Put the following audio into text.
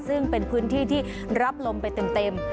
ซึ่งเป็นพื้นที่ที่รับลมไปเต็ม